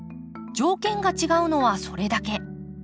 条件が違うのはそれだけ。